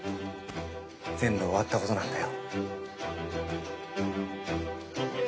全部終わったことなんだよ。